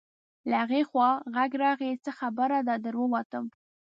له هغې خوا غږ راغی: څه خبره ده، در ووتم.